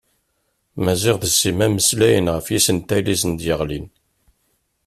Maziɣ d Sima mmeslayen ɣef yisental i asen-d-yeɣlin.